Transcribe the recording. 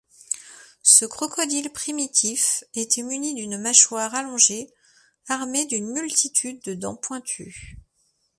Ce crocodile primitif était muni d'une mâchoire allongée, armée d'une multitude de dents pointues.